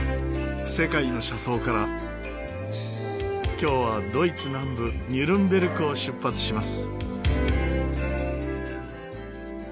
今日はドイツ南部ニュルンベルクを出発します。